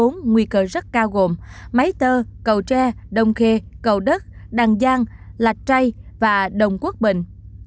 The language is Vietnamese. nguy cơ rất cao gồm máy tơ cầu tre đồng khê cầu đất đằng giang lạch tray và đồng quốc bình